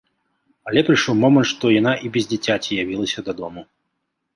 Але прыйшоў момант, што яна і без дзіцяці явілася дадому.